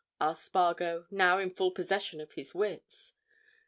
asked Spargo, now in full possession of his wits.